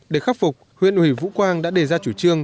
để khắc phục huyện ủy vũ quang đã đề ra chủ trương